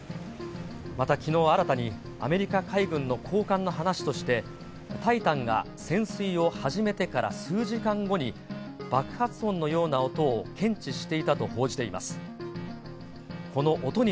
また、きのう新たにアメリカ海軍の高官の話として、タイタンが潜水を始めてから数時間後に、爆発音のような音を検知していたと報じています。